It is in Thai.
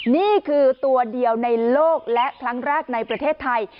นี่คือตัวเดียวในโลกและครั้งแรกในประเทศไทย